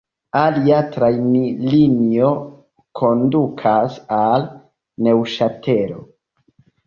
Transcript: Alia trajnlinio kondukas al Neŭŝatelo.